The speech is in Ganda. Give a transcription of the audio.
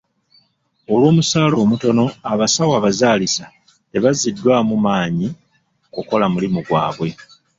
Olw'omusaala omutono, abasawo abazaalisa tebaziddwamu maanyi kukola mulimu gwabwe.